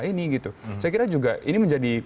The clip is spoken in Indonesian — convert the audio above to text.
ini gitu saya kira juga ini menjadi